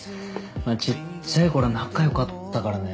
まあちっちゃい頃は仲良かったからね。